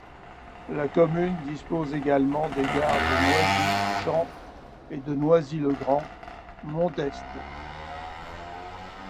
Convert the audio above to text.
La commune dispose également des gares de Noisy - Champs et de Noisy-le-Grand-Mont d'Est.